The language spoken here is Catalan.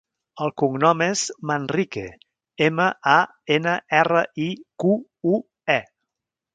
El cognom és Manrique: ema, a, ena, erra, i, cu, u, e.